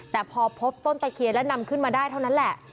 แต่พอพบต้นตะเคียนแล้วนำขึ้นมาได้เท่านั้นแหละ